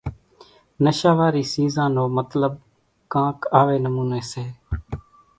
نشا واري سيزان نو مطلٻ ڪانڪ آوي نموني سي